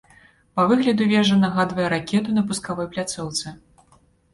Па выгляду вежа нагадвае ракету на пускавой пляцоўцы.